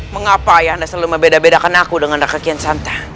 mengapa ayahanda selalu membedakan aku dengan raden kian santa